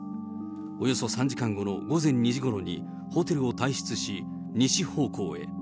およそ３時間後の午前２時ごろにホテルを退室し、西方向へ。